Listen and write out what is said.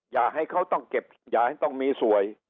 อย่าให้เขาต้องเก็บอย่าให้ต้องมีสวย